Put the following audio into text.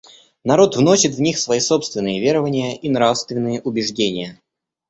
Народ вносит в них свои собственные верования и нравственные убеждения.